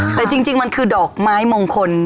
แต่จริงมันคือดอกไม้มงคล